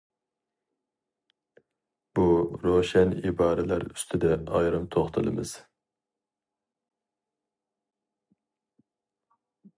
بۇ روشەن ئىبارىلەر ئۈستىدە ئايرىم توختىلىمىز.